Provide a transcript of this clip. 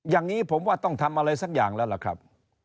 อย่างนี้ผมว่าต้องทำอะไรสักอย่างแล้วล่ะครับ